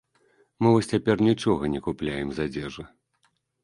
Мы вось цяпер нічога не купляем з адзежы.